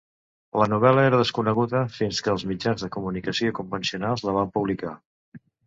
La novel·la era desconeguda fins que els mitjans de comunicació convencionals la van publicar.